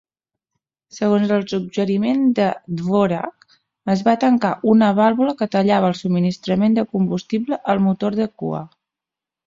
Segons el suggeriment de Dvorak, es va tancar una vàlvula que tallava el subministrament de combustible al motor de cua.